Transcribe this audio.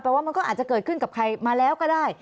ว่ามันก็อาจจะเกิดขึ้นกับใครมาแล้วก็ได้